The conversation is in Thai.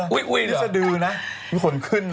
อุ๊ยอุ๊ยเหรอนิสดีนะมีขนขึ้นนะ